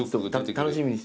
楽しみにしてます。